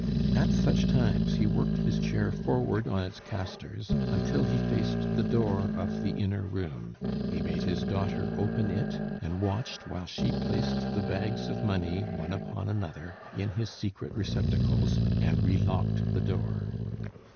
At such times he worked his chair forward on its castors until he faced the door of the inner room. He made his daughter open it, and watched while she placed the bags of money one upon another in his secret receptacles and relocked the door.